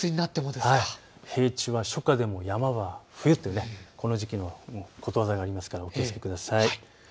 平地は初夏でも山は冬、この時期のことわざがありますけれど、お気をつけください。